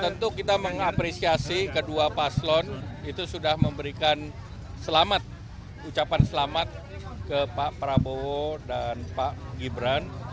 tentu kita mengapresiasi kedua paslon itu sudah memberikan selamat ucapan selamat ke pak prabowo dan pak gibran